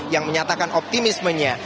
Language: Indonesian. yang menyatakan optimismenya